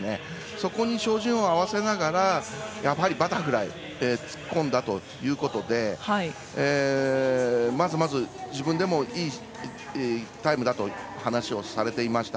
そこに照準を合わせながらやっぱりバタフライ突っ込んだということでまずまず自分でもいいタイムだと話をされていました。